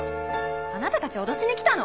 あなたたち脅しに来たの？